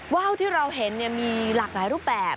ว่าวที่เราเห็นมีหลากหลายรูปแบบ